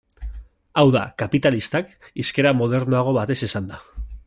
Hau da, kapitalistak, hizkera modernoago batez esanda.